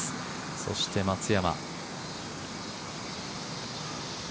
そして松山。